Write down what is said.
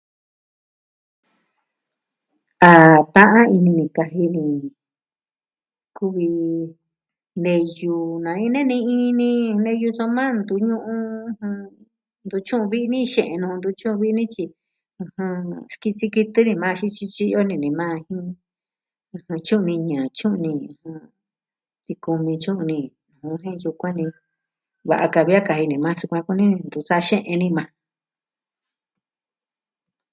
A ta'an ini kaji ni kuvi neyu, na'in nee ni ini neyu soma ntu ñu'un ntu tyu'un vi ni xe'nu ntu tyu'un vi nityi. Skisi ki tuni maa xi tyityi'yo ni ni maa. Tyu'un niñɨ, tyu'un niñɨ. Tikumi tyu'un ni. Jen nskuani. Va'a kavi a kaji ni maa sukuan kuni ntu sa'a xeen ni maa.